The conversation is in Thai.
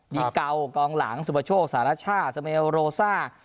ดีเก่ากองหลังสุภโชคสหราชชาสเมลโรซ่า